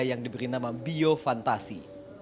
yang diberi nama bio fantasi